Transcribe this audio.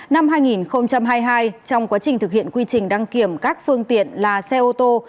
năm hai nghìn hai mươi hai trong quá trình thực hiện quy trình đăng kiểm các phương tiện là xe ô tô